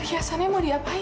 terus ada di kulit ini